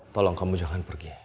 tolong kamu jangan pergi